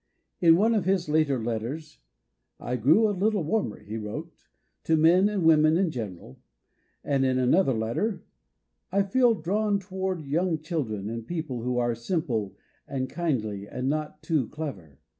In one of his later letters, " I grow a little wanner," he wrote, "to men and women in general;" and in another letter, " I feel drawn towards young children and people who are simple and kindly and not too clever.